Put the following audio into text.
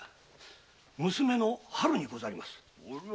娘の「春」にございます。